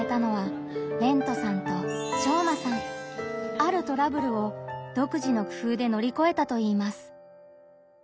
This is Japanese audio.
あるトラブルを独自の工夫でのりこえたといいます。